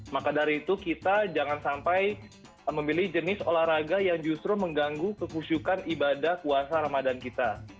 maka dari itu kita jangan sampai memilih jenis olahraga yang justru mengganggu kekusyukan ibadah puasa ramadan kita